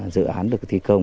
dự án được thi công